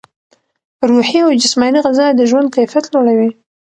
روحي او جسماني غذا د ژوند کیفیت لوړوي.